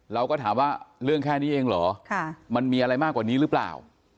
เราก็ถามว่าเรื่องแค่นี้เองเหรอมันมีอะไรมากกว่านี้หรือเปล่า